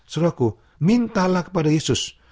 suruhku mintalah kepada yesus